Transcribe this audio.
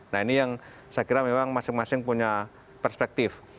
nah ini yang saya kira memang masing masing punya perspektif